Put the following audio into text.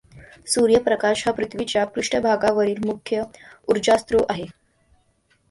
सूर्यप्रकाश हा पृथ्वीच्या पृष्ठभागावरील मुख्य उर्जास्रोत आहे.